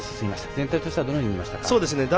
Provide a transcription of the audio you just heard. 全体としてはどのように見ましたか？